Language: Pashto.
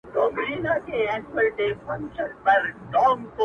خلک د پېښې خبري کوي-